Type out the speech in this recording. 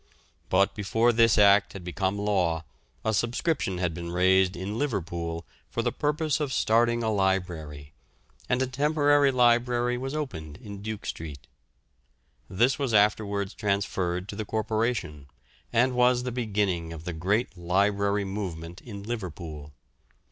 But before this act had become law, a subscription had been raised in Liverpool for the purpose of starting a library, and a temporary library was opened in Duke Street. This was afterwards transferred to the Corporation, and was the beginning of the great library movement in Liverpool.